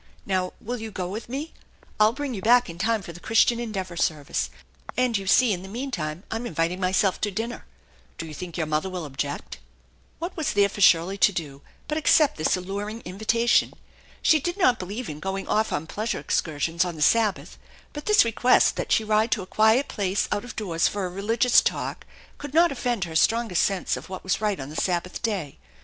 Now, will you go with me ? I'll bring you back in time for the Christian Endeavor service, and you see 'in the meantime I'm inviting myself to dinner. Do you think your mother will object?" What was there for Shirley to do but accept this alluring invitation? She did not believe in going off on pleasure excursions on the Sabbath, but this request that she ride to a quiet place out of doors for a religious talk could not offend 218 THE ENCHANTED BARN her strongest sense of what was right on the Sabbath day.